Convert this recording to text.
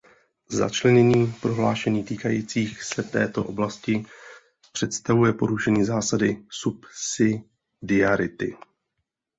Začlenění prohlášení týkajících se této oblasti představuje porušení zásady subsidiarity.